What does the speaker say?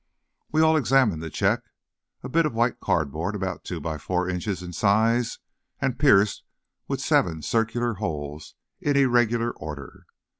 We all examined the check. A bit of white cardboard, about two by four inches in size, and pierced with seven circular holes in irregular order.